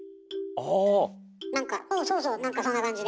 何かそうそう何かそんな感じで。